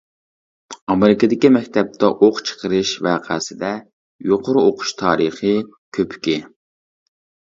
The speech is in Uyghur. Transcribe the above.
ئامېرىكىدىكى مەكتەپتە ئوق چىقىرىش ۋەقەسىدە يۇقىرى ئوقۇش تارىخى كۆپۈكى.